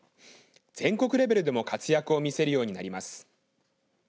全国レベルでも活躍を見せるようになります。